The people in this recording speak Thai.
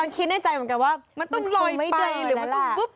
คิดในใจเหมือนกันว่าไม่คงไม่เดิน